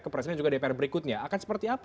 ke presiden juga dpr berikutnya akan seperti apa